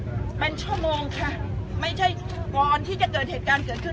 เป็นชั่วโมงค่ะไม่ใช่ก่อนที่จะเกิดเหตุการณ์เกิดขึ้น